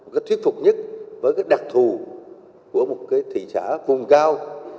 các thuyết phục nhất với các đặc thù của một cái thị xã vùng cao